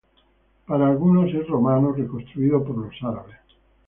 Para algunos es romano reconstruido por los árabes.